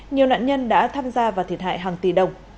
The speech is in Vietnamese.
nhiều nạn nhân đã tham gia và thiệt hại hàng tỷ đồng